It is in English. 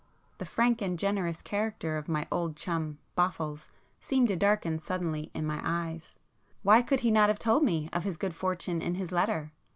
The frank and generous character of my old chum 'Boffles' seemed to darken suddenly in my eyes,—why could he not have told me of his good fortune in his letter?